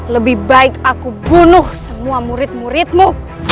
lebih baik aku bunuh semua murid muridmu